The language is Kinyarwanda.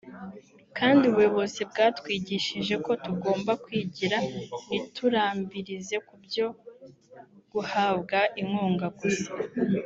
kandi ubuyobozi bwatwigishije ko tugomba kwigira ntiturambirize kubyo guhabwa inkunga gusa”